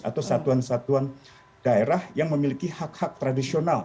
atau satuan satuan daerah yang memiliki hak hak tradisional